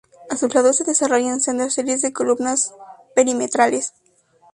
A sus lados se desarrollan sendas series de columnas perimetrales.